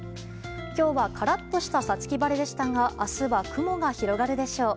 今日はカラッとした五月晴れでしたが明日は雲が広がるでしょう。